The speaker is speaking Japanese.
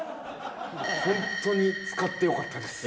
ホントに使ってよかったです。